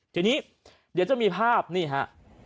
ทีนี้เดี๋ยวจะมีภาพนี่ฮะ